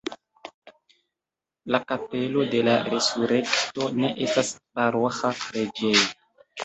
La Kapelo de la Resurekto ne estas paroĥa preĝejo.